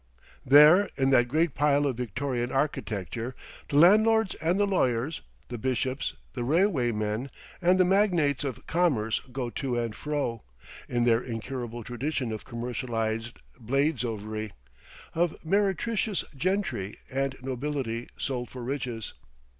There in that great pile of Victorian architecture the landlords and the lawyers, the bishops, the railway men and the magnates of commerce go to and fro—in their incurable tradition of commercialised Bladesovery, of meretricious gentry and nobility sold for riches.